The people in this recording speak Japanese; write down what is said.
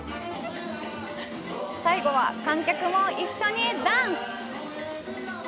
最後は観客も一緒にダンス。